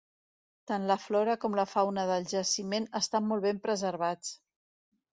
Tant la flora com la fauna del jaciment estan molt ben preservats.